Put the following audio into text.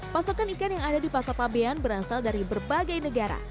pasokan ikan yang ada di pasar fabian berasal dari berbagai negara